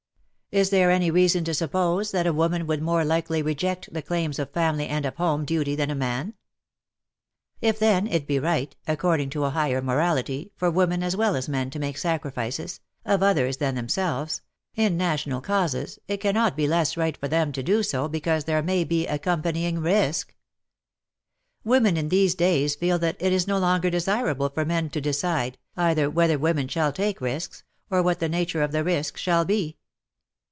Is there any reason to suppose that a woman would more likely reject the claims of family and of home duty than a man ? If, then, it be right, according to a higher morality, for women as well as men to make sacrifices — of others than themselves — in national causes, it cannot be less right for them to do so because there may be accom panying risk. Women in these days feel that it is no longer desirable for men to decide, either whether women shall take risks, or what the nature of the risk shall be.